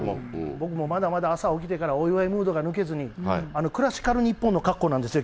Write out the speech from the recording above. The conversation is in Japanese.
僕もまだまだ朝起きてから、お祝いムードが抜けずに、クラシカル日本の格好なんですよ。